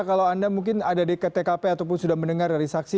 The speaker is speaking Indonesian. kalau anda mungkin ada di ke tkp ataupun sudah mendengar dari saksi